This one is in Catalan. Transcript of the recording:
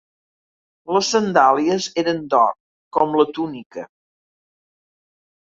Les sandàlies eren d'or, com la túnica.